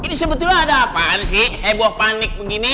ini sebetulnya ada apaan sih heboh panik begini